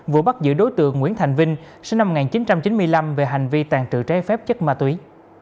vừa bắt giữ đối tượng nguyễn thành vinh sinh năm một nghìn chín trăm chín mươi năm về hành vi tàn trự trái phép chất ma túy